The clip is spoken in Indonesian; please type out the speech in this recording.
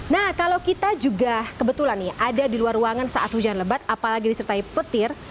nah kalau kita juga kebetulan nih ada di luar ruangan saat hujan lebat apalagi disertai petir